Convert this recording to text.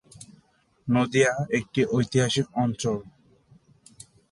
নদিয়া একটি ঐতিহাসিক অঞ্চল।